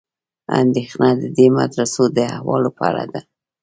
اندېښنه د دې مدرسو د احوالو په اړه ده.